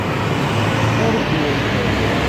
Argu.